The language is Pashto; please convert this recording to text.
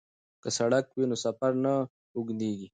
که سړک وي نو سفر نه اوږدیږي.